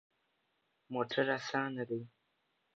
موټر اسانه ده